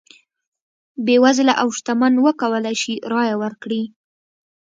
بېوزله او شتمن وکولای شي رایه ورکړي.